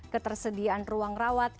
ketersediaan ruang rawat